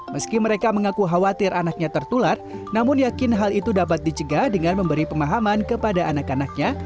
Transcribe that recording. meski mereka mengaku khawatir anaknya tertular namun yakin hal itu dapat dicegah dengan memberi pemahaman kepada anak anaknya